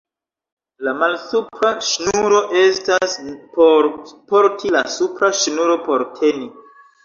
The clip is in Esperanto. La malsupra ŝnuro estas por porti, la supra ŝnuro por teni.